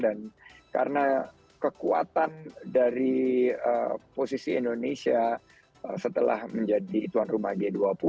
dan karena kekuatan dari posisi indonesia setelah menjadi tuan rumah g dua puluh